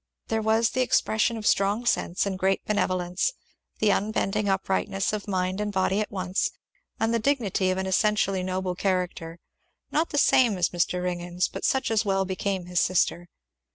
There was the expression of strong sense and great benevolence; the unbending uprightness, of mind and body at once; and the dignity of an essentially noble character, not the same as Mr. Ringgan's, but such as well became his sister.